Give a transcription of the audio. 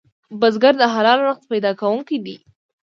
بزګر د حلال رزق پیدا کوونکی دی